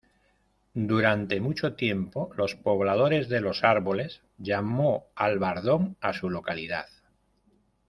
Durante mucho tiempo, los pobladores de Los Árboles llamó Albardón a su localidad.